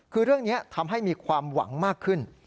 คือเรื่องนี้ทำให้มีความหวังมากขึ้น